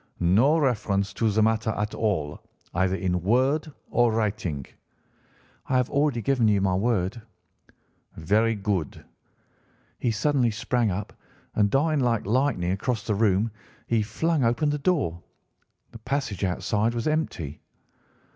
No reference to the matter at all, either in word or writing?' "'I have already given you my word.' "'Very good.' He suddenly sprang up, and darting like lightning across the room he flung open the door. The passage outside was empty.